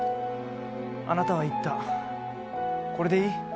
あなたは言った、これでいい？